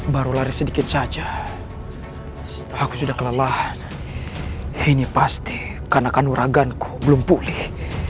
baru lari sedikit saja aku sudah kelelahan ini pasti karena kan uraganku belum pulih